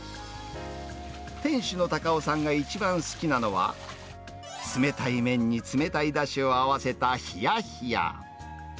店主の太夫さんが一番好きなのは、冷たい麺に冷たいだしを合わせたひやひや。